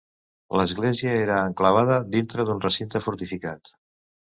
L'església era enclavada dintre d'un recinte fortificat.